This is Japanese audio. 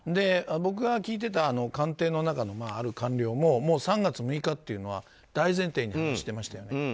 僕が聞いてた官邸の中のある官僚も３月６日というのは大前提に話してましたよね。